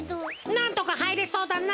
なんとかはいれそうだな。